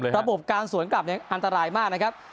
คือระบบการสวนกลับเนี่ยอันตรายมากนะครับ